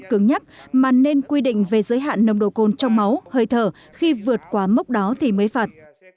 cứng nhắc mà nên quy định về giới hạn nồng độ cồn trong máu hơi thở khi vượt qua mốc đó thì mới phạt